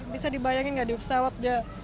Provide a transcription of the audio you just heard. bisa dibayangin gak di pesawat dia